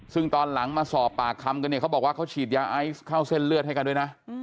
ซึ่งตอนหลังมาสอบปากคำกันเนี่ยเขาบอกว่าเขาฉีดยาไอซ์เข้าเส้นเลือดให้กันด้วยนะ